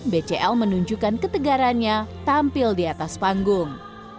bcl menunjukkan ketegarannya tampil di atas panggung